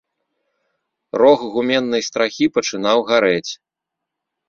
Рог гуменнай страхі пачынаў гарэць.